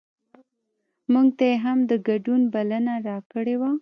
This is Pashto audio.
مونږ ته یې هم د ګډون بلنه راکړې وه.